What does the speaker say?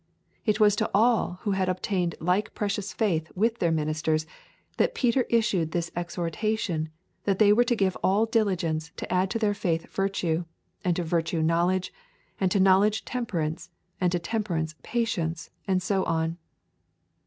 It was to all who had obtained like precious faith with their ministers that Peter issued this exhortation that they were to give all diligence to add to their faith virtue, and to virtue knowledge, and to knowledge temperance, and to temperance patience, and so on.